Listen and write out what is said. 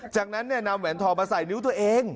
จากนั้นนำแหวนทองมาใส่นิ้วตัวเอง